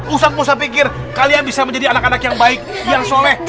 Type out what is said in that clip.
ustadz usah pikir kalian bisa menjadi anak anak yang baik yang soleh